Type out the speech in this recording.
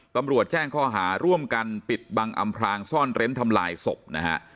ตำรวจแจ้งข้อหาร่วมกันปิดบังอำพรางซ่อนเร้นทำลายศพนะฮะ